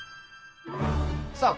さあ